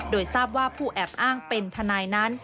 โดยทราบว่าผู้แอบอ้างเป็นทนายนั้น